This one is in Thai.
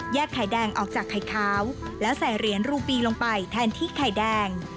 ไข่แดงออกจากไข่ขาวแล้วใส่เหรียญรูปีลงไปแทนที่ไข่แดง